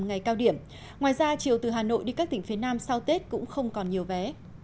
ngày cao điểm ngoài ra chiều từ hà nội đi các tỉnh phía nam sau tết cũng không còn nhiều vé